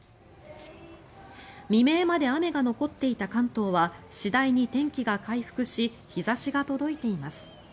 未明まで雨が残っていた関東は次第に天気が回復し日差しが届いています。